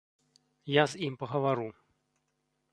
Я з ім пагавару.